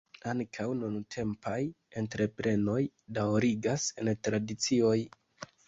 Ankaŭ nuntempaj entreprenoj daŭrigas en tradicioj.